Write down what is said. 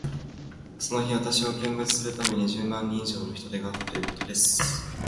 その日、私を見物するために、十万人以上の人出があったということです。